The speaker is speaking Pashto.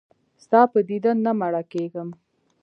ستا په دیدن نه مړه کېږم.